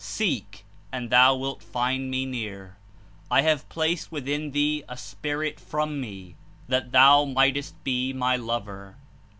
Seek, and thou wilt find Me near." ''I have placed within thee a spirit from Me, that thou might est be my lover."